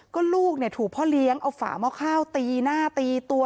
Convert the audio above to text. ก็ลูกถูกพ่อเลี้ยงเอาฝาหม้อข้าวตีหน้าตีตัว